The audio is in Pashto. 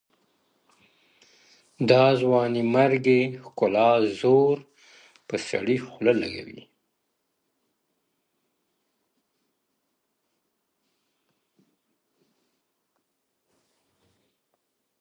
د ځوانيمرگي ښکلا زور په سړي خوله لگوي